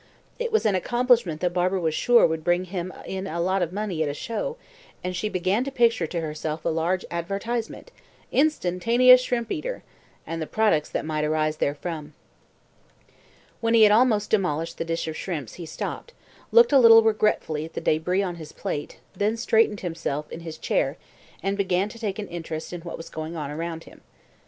It was an accomplishment that Barbara was sure would bring him in a lot of money at a show, and she began to picture to herself a large advertisement, "Instantaneous Shrimp eater," and the products that might arise therefrom. When he had almost demolished the dish of shrimps he stopped, looked a little regretfully at the débris on his plate, then straightened himself in his chair, and began to take an interest in what was going on around him.